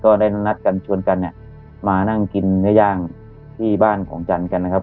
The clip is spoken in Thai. ก็ได้นัดกันชวนกันเนี่ยมานั่งกินเนื้อย่างที่บ้านของจันทร์กันนะครับ